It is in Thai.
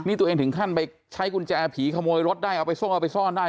นี่ตัวเองถึงขั้นไปใช้กุญแจผีขโมยรถได้เอาไปทรงเอาไปซ่อนได้